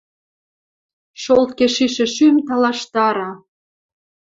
Шолтке шишӹ шӱм талаштара.